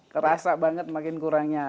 terasa banget makin kurangnya